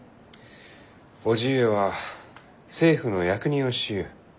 叔父上は政府の役人をしゆう。